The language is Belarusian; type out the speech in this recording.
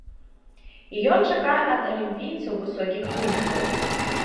І ён чакае ад алімпійцаў высокіх вынікаў.